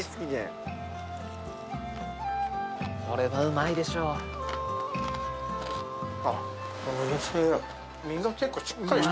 「これはうまいでしょう」おいしい！